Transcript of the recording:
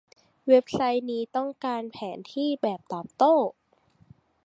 เว็บไซต์นี้ต้องการแผนที่แบบตอบโต้